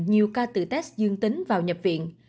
nhiều ca tử test dương tính vào nhập viện